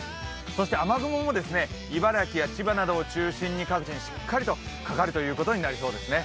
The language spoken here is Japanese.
そして雨雲も茨城や千葉などを中心に各地しっかりとかかるということになりますね。